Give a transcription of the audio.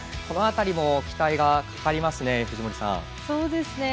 この辺りも期待がかかりますね藤森さん。